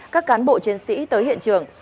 các cán bộ chiến sĩ tới hiện trường